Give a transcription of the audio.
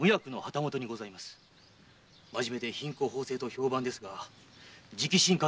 真面目で品行方正と評判ですが直心陰